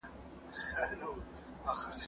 ما مخکي د سبا لپاره د ژبي تمرين کړی وو!؟